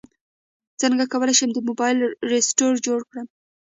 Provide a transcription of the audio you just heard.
څنګه کولی شم د موبایل رسټور جوړ کړم